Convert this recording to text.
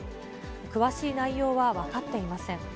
詳しい内容は分かっていません。